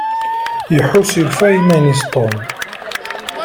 Iḥuss yufa iman-is Tom.